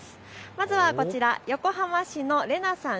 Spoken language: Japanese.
まずはこちら、横浜市のれなさん